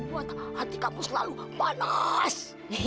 yang membuat hati kamu selalu panas